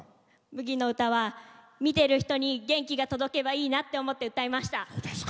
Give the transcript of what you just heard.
「麦の唄」は見てる人に元気が届けばいいなと思って歌いました。